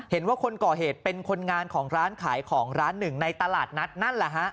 เห็นว่าคนก่อเหตุเป็นคนงานของร้านขายของร้านหนึ่งในตลาดนัดนั่นแหละฮะ